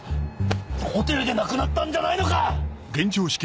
ホテルで亡くなったんじゃないのか！